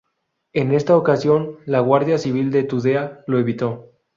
En esta ocasión la Guardia Civil de Tudela lo evitó.